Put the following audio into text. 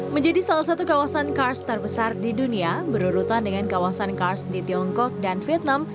menjadi salah satu kawasan kars terbesar di dunia berurutan dengan kawasan kars di tiongkok dan vietnam